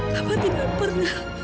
papa tidak pernah